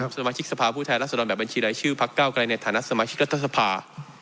ผมรังสมนมสมาชิกสภาพูดท้ายรัฐสนรรย์แบบบัญชีรายชื่อภักดิ์๙กลายในฐานะสมาชิกรัฐสภา